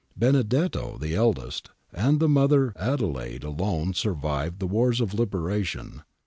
Benedetto, the eldest, and the mother Adelaide alone survived the wars of liberation.